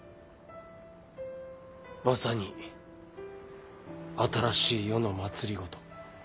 まさに新しい世の政。